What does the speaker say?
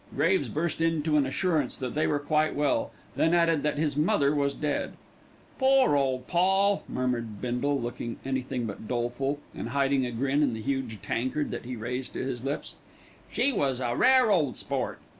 Graves burst into an assurance that they were quite well, then added that his mother was dead. "Poor ole Poll," murmured Bindle, looking anything but doleful, and hiding a grin in the huge tankard that he raised to his lips. "She was a rare ole sport.